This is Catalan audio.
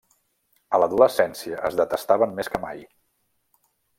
A l'adolescència, es detestaven més que mai.